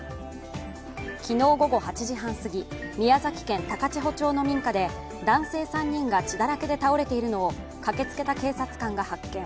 昨日午後８時半すぎ宮崎県高千穂町の民家で男性３人が血だらけで倒れているのを駆けつけた警察官が発見。